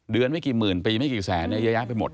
เดือนไม่กี่หมื่นปีไม่กี่แสนย้ายไปหมด